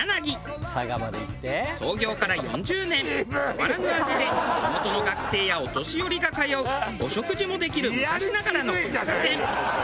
創業から４０年変わらぬ味で地元の学生やお年寄りが通うお食事もできる昔ながらの喫茶店。